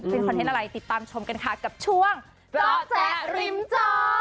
เป็นคอนเทนต์อะไรติดตามชมกันค่ะกับช่วงเจาะแจ๊ริมจอ